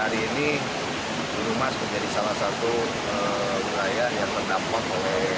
hari ini bendungan menjadi salah satu kaya yang terdapat oleh